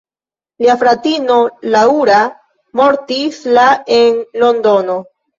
Lia fratino, Laura, mortis la en Londono.